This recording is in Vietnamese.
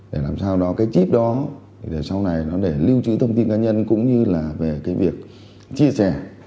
để làm sao đó cái chip đó để sau này nó để lưu trữ thông tin cá nhân cũng như là về cái việc chia sẻ